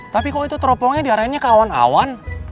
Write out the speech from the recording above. tapi kok itu teropongnya diarahinnya ke awan awan